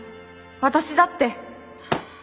私だって。